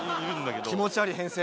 気持ち悪い編成